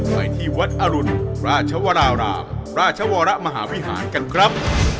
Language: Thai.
ไปที่วัดอรุณราชวรารามราชวรมหาวิหารกันครับ